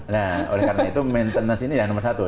nah oleh karena itu maintenance ini yang nomor satu